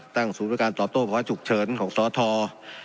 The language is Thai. ตั้งสู่ฯนไว้การตอบโตกประวัติฉุกเฉินของศาลทอว์